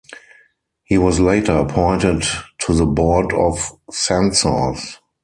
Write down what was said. He was later appointed to the Board of Censors.